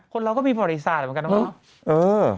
คนเราก็มีบริษัทเหมือนกันไม่ไหมะเออ